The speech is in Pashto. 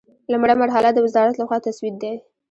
لومړۍ مرحله د وزارت له خوا تسوید دی.